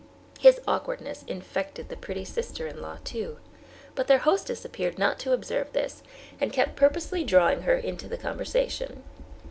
His awkwardness infected the pretty sister in law too. But their hostess appeared not to observe this, and kept purposely drawing her into the conversation.